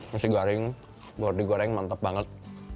masih garing buat digoreng mantap banget